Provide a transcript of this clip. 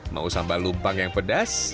mau sambal lumpang yang pedas